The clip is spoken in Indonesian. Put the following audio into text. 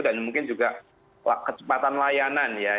dan mungkin juga kecepatan layanan ya